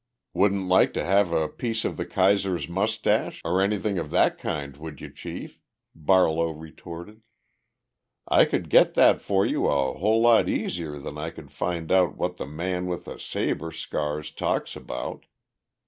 "Wouldn't like to have a piece of the Kaiser's mustache or anything of that kind, would you, Chief?" Barlow retorted. "I could get that for you a whole lot easier than I could find out what the man with the saber scar talks about.